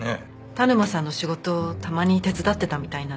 田沼さんの仕事をたまに手伝ってたみたいなんです。